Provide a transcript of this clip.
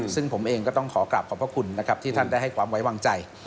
ซึ่งผมเองก็ต้องขอกลับขอบพระคุณนะครับที่ท่านได้ให้ความไว้วางใจ